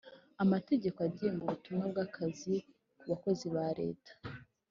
amategeko agenga ubutumwa bw’akazi ku bakozi ba Leta